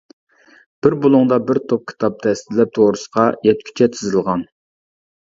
بىر بۇلۇڭدا بىر توپ كىتاب دەستىلەپ تورۇسقا يەتكۈچە تىزىلغان.